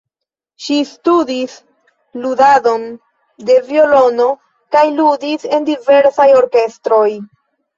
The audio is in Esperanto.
Ŝi studis ludadon de violono kaj ludis en diversaj orkestroj.